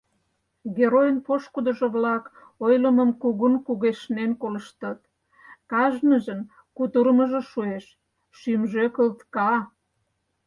Геройын пошкудыжо-влак ойлымым кугун кугешнен колыштыт, кажныжын кутырымыжо шуэш, шӱмжӧ кылтка.